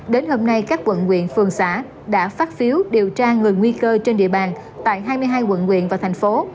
đến hôm nay các quận quyện phường xã đã phát phiếu điều tra người nguy cơ trên địa bàn tại hai mươi hai quận quyện và thành phố